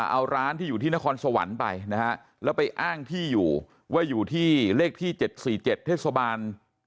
เอาร้านที่อยู่ที่นครสวรรค์ไปนะฮะแล้วไปอ้างที่อยู่ว่าอยู่ที่เลขที่๗๔๗เทศบาล